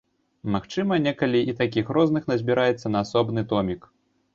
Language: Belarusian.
Магчыма, некалі і такіх розных назбіраецца на асобны томік.